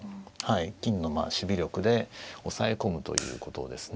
金の守備力で押さえ込むということですね。